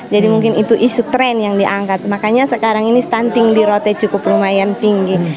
jadi mungkin itu isu tren yang diangkat makanya sekarang ini stunting di rote cukup lumayan tinggi